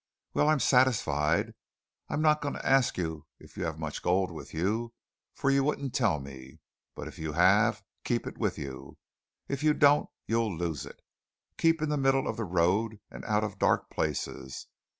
Well, I'm satisfied. I'm not going to ask you if you have much gold with you, for you wouldn't tell me; but if you have, keep it with you. If you don't, you'll lose it. Keep in the middle of the road, and out of dark places.